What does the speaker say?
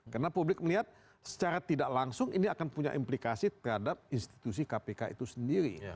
karena publik melihat secara tidak langsung ini akan punya implikasi terhadap institusi kpk itu sendiri